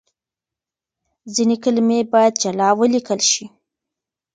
ځينې کلمې بايد جلا وليکل شي.